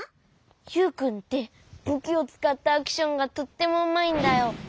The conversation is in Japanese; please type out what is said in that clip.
ユウくんってぶきをつかったアクションがとってもうまいんだよ。